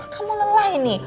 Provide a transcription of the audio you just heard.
kamu lelah ini